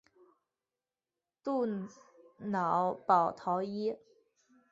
杜瑙保陶伊。